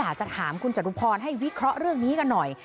อาจจะถามคุณจตุพรให้วิเคราะห์เรื่องนี้กันหน่อย